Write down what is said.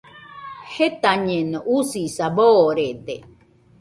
Jetañeno, usisa boorede.